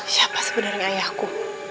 siapa sebenarnya ayahku